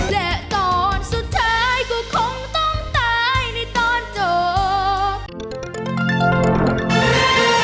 และก่อนสุดท้ายก็คงต้องตายในตอนจบ